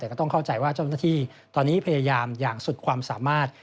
แต่ก็ต้องเข้าใจว่าเจ้าหน้าที่ตอนนี้พยายามอย่างสุดความสามารถ